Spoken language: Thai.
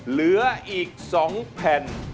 เหลืออีก๒แผ่น